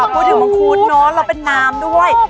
พูดถึงมังคุดเนอะเราเป็นน้ำด้วย